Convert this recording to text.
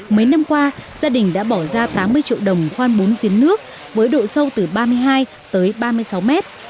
mấy năm qua gia đình đã bỏ ra tám mươi triệu đồng khoan bốn giếng nước với độ sâu từ ba mươi hai tới ba mươi sáu mét